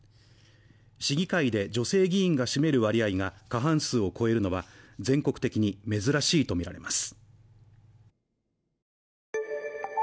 市議会で女性議員が占める割合が過半数を超えるのは全国的に珍しいとみられます。